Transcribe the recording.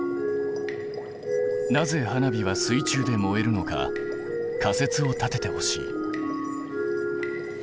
なぜ花火は水中で燃えるのか仮説を立ててほしい。